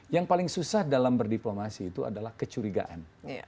yang paling susah dalam berdiplomasi itu adalah kecurigaan